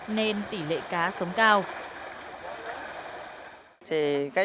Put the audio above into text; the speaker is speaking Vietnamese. nên tỷ lệ cá sống cao